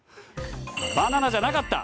バナナじゃなかった。